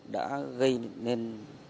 đã gây nên